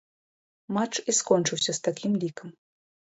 Матч і скончыўся з такім лікам.